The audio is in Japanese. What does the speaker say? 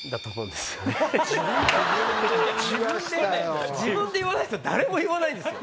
これね自分で言わないと誰も言わないんですよ。